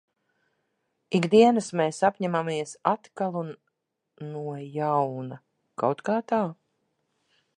Ik dienas mēs apņemamies atkal un no jauna. Kaut kā tā.